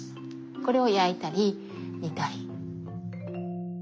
これを焼いたり煮たり。